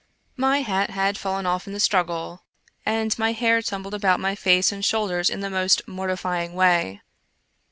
IVIy hat had fallen off in the struggle, and my hair tumbled about my face and shoulders in the most mortifying way.